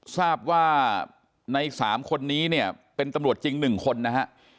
ทราบว่าใน๓คนนี้เนี่ยเป็นตำรวจจริง๑คนนะฮะ